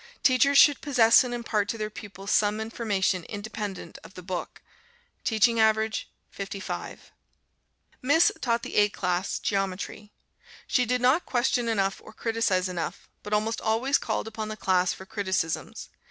Teachers should possess and impart to their pupils some information independent of the book. Teaching average, 55. Miss taught the A class Geometry. She did not question enough or criticise enough, but almost always called upon the class for criticisms.